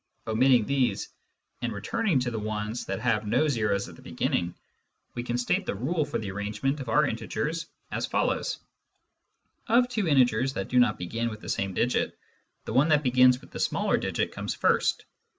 Omitting these, and returning to the ones that have no o's at the beginning, we can state the rule for the arrangement of our integers as follows : Of two integers that do not begin with the same digit, the one that begins with the smaller digit comes first.